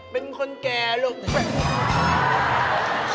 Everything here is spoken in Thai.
เป็นคนแก่ลูก